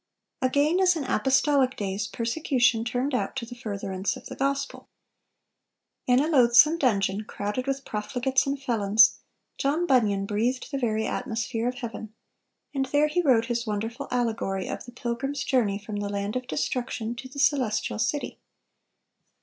Again, as in apostolic days, persecution turned out to the furtherance of the gospel. In a loathsome dungeon crowded with profligates and felons, John Bunyan breathed the very atmosphere of heaven; and there he wrote his wonderful allegory of the pilgrim's journey from the land of destruction to the celestial city.